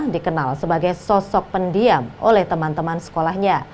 dikenal sebagai sosok pendiam oleh teman teman sekolahnya